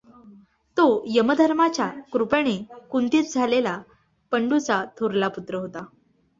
तो यमधर्माच्या कृपेने कुंतीस झालेला पंडूचा थोरला पुत्र होता.